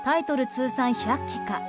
通算１００期か。